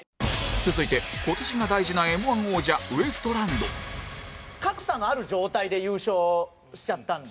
続いて今年が大事な Ｍ−１ 王者ウエストランド格差のある状態で優勝しちゃったので。